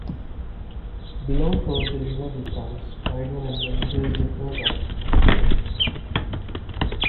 Below Perth the river becomes tidal and enters the Firth of Tay.